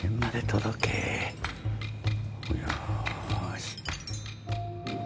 よし。